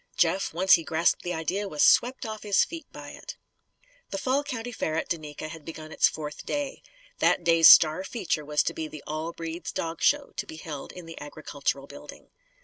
Jeff, once he grasped the idea, was swept off his feet by it. The fall County Fair at Duneka had begun its fourth day. That day's star feature was to be the "all breeds" dog show, to be held in the Agricultural Building.